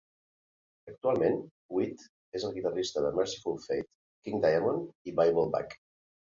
Actualment, Wead és el guitarrista de Mercyful Fate, King Diamond, i bibleblack.